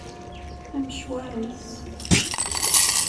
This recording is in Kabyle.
Amecwar-is.